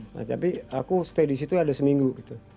nah tapi aku stay di situ ada seminggu gitu